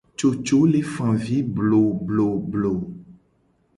Coco le fa avi blobloblo.